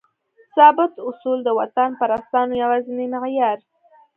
ثابت اصول؛ د وطنپرستانو یوازینی معیار